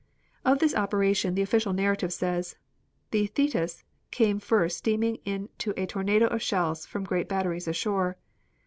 Of this operation the official narrative says: "The Thetis came first steaming into a tornado of shells from great batteries ashore.